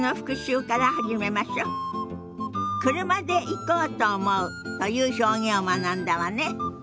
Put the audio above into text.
「車で行こうと思う」という表現を学んだわね。